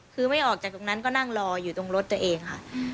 คือไม่ออกจากตรงนั้นก็นั่งรออยู่ตรงรถตัวเองค่ะ